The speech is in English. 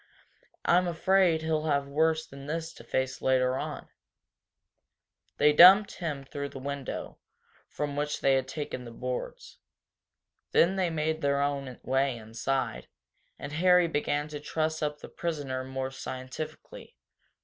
I'm afraid he'll have worse than this to face later on." They dumped him through the window, from which they had taken the boards. Then they made their own way inside, and Harry began to truss up the prisoner more scientifically.